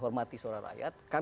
hormati seorang rakyat